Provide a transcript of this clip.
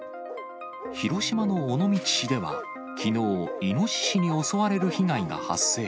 広島の尾道市では、きのう、イノシシに襲われる被害が発生。